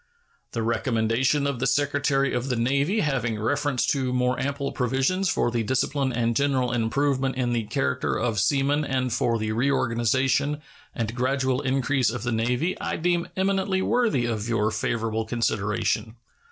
The recommendation of the Secretary of the Navy having reference to more ample provisions for the discipline and general improvement in the character of seamen and for the reorganization and gradual increase of the Navy I deem eminently worthy of your favorable consideration.